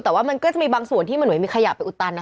แต่ว่ามันก็จะมีบางส่วนที่มีขยะไปอุตตันน่ะ